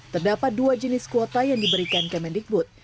terdapat dua jenis kuota yang diberikan kemendikbud